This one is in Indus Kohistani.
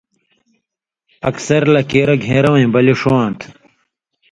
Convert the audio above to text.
اکثر لیکیرہ گھین٘رہ وَیں بلی ݜُون٘واں تھو۔